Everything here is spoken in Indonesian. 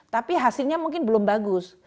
tapi hasilnya mungkin belum bagus